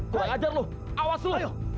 kurang ajar lo awas lo